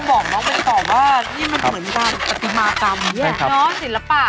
น้องศิลปะ